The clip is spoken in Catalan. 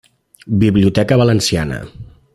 Biblioteca Valenciana.